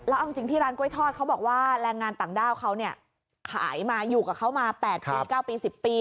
เอาจริงที่ร้านกล้วยทอดเขาบอกว่าแรงงานต่างด้าวเขาเนี่ยขายมาอยู่กับเขามา๘ปี๙ปี๑๐ปี